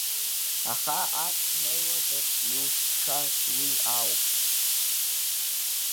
Аха ас ҳнеиуазар, иухьша уи ауп…